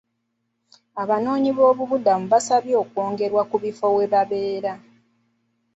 Abanoonyiboobubudamu baasabye okwongerwa ku kifo we babeera.